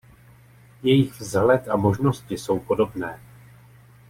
Jejich vzhled a možnosti jsou podobné.